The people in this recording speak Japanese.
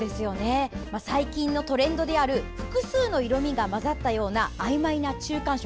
最近のトレンドである複数の色味が混ざったようなあいまいな中間色。